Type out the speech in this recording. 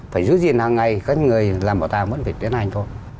phải giữ gìn hàng ngày các người làm bảo tàng vẫn phải tiến hành thôi